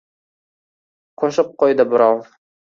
— Qo‘shib qo‘ydi birov,-